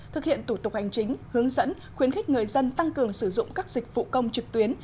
thực hiện thủ tục hành chính hướng dẫn khuyến khích người dân tăng cường sử dụng các dịch vụ công trực tuyến